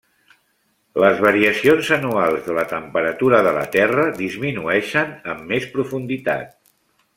Les variacions anuals de la temperatura de la terra disminueixen amb més profunditat.